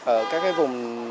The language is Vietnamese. ở các cái vùng